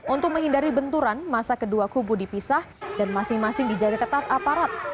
untuk menghindari benturan masa kedua kubu dipisah dan masing masing dijaga ketat aparat